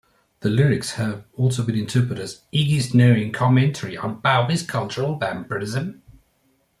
The lyrics have also been interpreted as "Iggy's knowing commentary on Bowie's cultural vampirism".